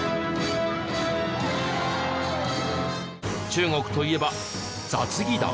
中国といえば雑技団。